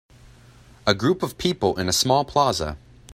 A group of people in a small plaza.